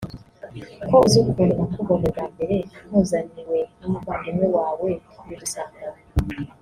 ko uzi ukuntu nakubonye bwa mbere nkuzaniwe n’umuvandimwe wawe twari dusanganwe